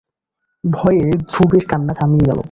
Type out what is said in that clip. ভয়ে ধ্রুবের কান্না থামিয়া গেল।